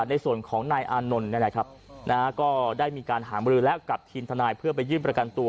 ในส่วนของนายอานนลได้มีการหาบรือและกับทีนทนายเพื่อไปยื่นประกันตัว